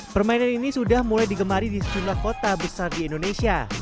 permainan ini sudah mulai digemari di sejumlah kota besar di indonesia